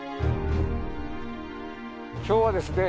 今日はですね